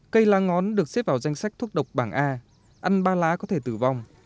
cây lá ngón được xếp vào danh sách thuốc độc bảng a ăn ba lá có thể tử vong